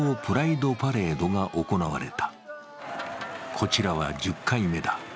こちらは１０回目だ。